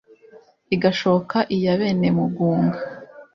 igashoka iy'abenemugunga